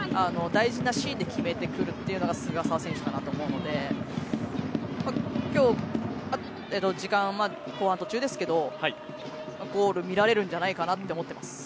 大事なシーンで決めてくるというのが菅澤選手かなと思うので今日、時間は後半途中ですけどゴール見られるんじゃないかなと思います。